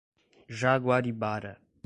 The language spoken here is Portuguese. Jaguaribara